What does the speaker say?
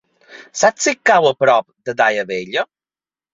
Saps si cau a prop de Daia Vella?